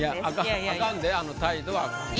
あかんであの態度は。